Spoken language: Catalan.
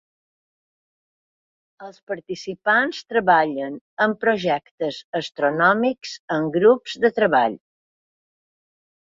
Els participants treballen en projectes astronòmics en grups de treball.